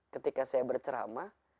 ketika saya bercerama